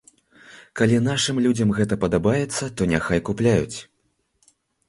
Калі нашым людзям гэта падабаецца, то няхай купляюць.